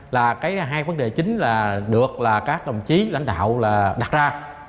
là cái hai vấn đề chính là được là các đồng chí lãnh đạo là đặt ra